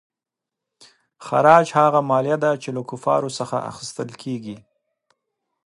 خراج هغه مالیه ده چې له کفارو څخه اخیستل کیږي.